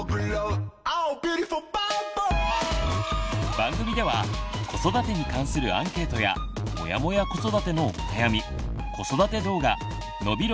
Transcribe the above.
番組では子育てに関するアンケートや「モヤモヤ子育て」のお悩み子育て動画のびろ！